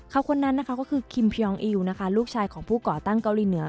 ครอบคนนั้นก็คือคิมพยองอิวลูกชายของผู้ก่อตั้งเกาหลีเหนือ